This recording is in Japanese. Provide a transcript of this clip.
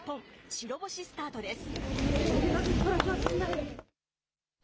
白星スタートです。